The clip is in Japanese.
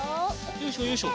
よいしょよいしょ。